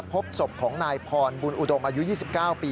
พบศพของนายพรบุญอุดมอายุ๒๙ปี